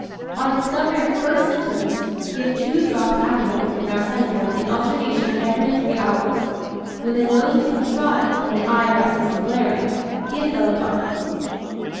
On discovery of first symptoms, give 2 drops aconite and arsenicum in alternation every 3 hours. When the nose becomes dry, and the eye restless and glaring, give belladonna.